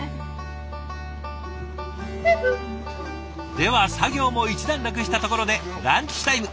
では作業も一段落したところでランチタイム。